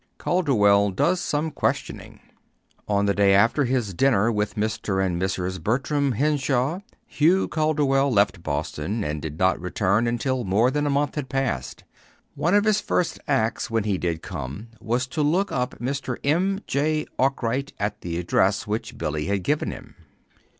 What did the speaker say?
CALDERWELL DOES SOME QUESTIONING On the day after his dinner with Mr. and Mrs. Bertram Henshaw, Hugh Calderwell left Boston and did not return until more than a month had passed. One of his first acts, when he did come, was to look up Mr. M. J. Arkwright at the address which Billy had given him.